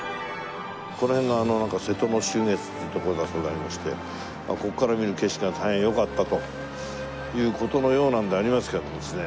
この辺が瀬戸の秋月という所だそうでありましてここから見る景色が大変良かったという事のようなんでありますけどもですね。